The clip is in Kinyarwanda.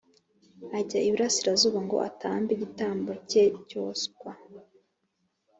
Ajya iburasirazuba ngo atambe igitambo cye cyoswa